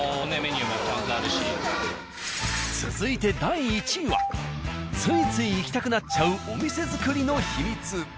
続いて第１位はついつい行きたくなっちゃうお店作りの秘密。